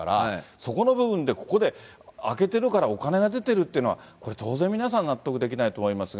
そこの部分で、ここで空けてるからお金が出てるっていうのは、これ、当然皆さん、納得できないと思いますが。